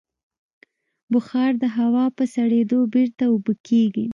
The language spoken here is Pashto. بخار د هوا په سړېدو بېرته اوبه کېږي.